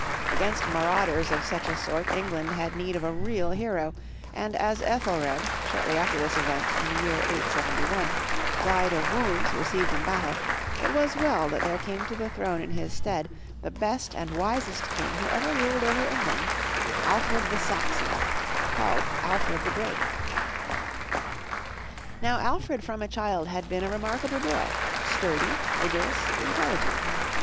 Against marauders of such a sort England had need of a real hero, and as Ethelred, shortly after this event, in the year 871, died of wounds received in battle, it was well that there came to the throne in his stead, the best and wisest King who ever ruled over England — Alfred the Saxon, called Alfred the Great. 80 FROM THE TOWER WINDOW v4»« T> <:T»^,4e_ Now Alfred from a child had been a remarkable boy, sturdy, vigorous, intelligent.